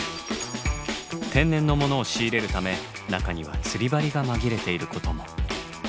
天然のものを仕入れるため中には釣り針が紛れていることも。